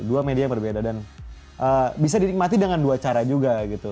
dua media yang berbeda dan bisa dinikmati dengan dua cara juga gitu